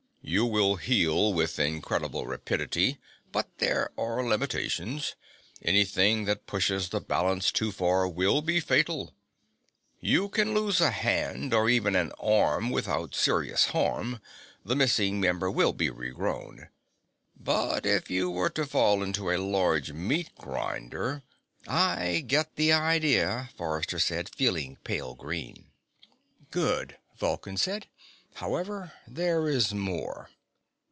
"You will heal with incredible rapidity, but there are limitations. Anything that pushes the balance too far will be fatal. You can lose a hand or even an arm without serious harm; the missing member will be regrown. But if you were to fall into a large meat grinder " "I get the idea," Forrester said, feeling pale green. "Good," Vulcan said. "However, there is more."